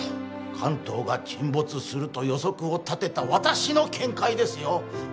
関東が沈没すると予測を立てた私の見解ですよ